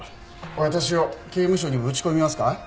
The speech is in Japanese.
私を刑務所にぶち込みますか？